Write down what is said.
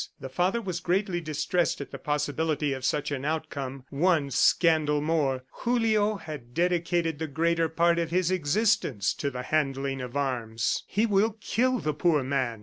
The father was greatly distressed at the possibility of such an outcome. ... One scandal more! Julio had dedicated the greater part of his existence to the handling of arms. "He will kill the poor man!"